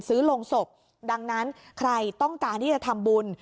ลงศพดังนั้นใครต้องการที่จะทำบุญ